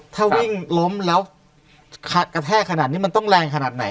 ถ้าวิ่งล้มแล้วกระแทกขนาดนี้มันต้องแรงขนาดไหน